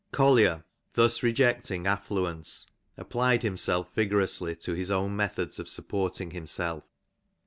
Collier thus rejecting affluence, applied himself vigorously to his own methods of supporting himself.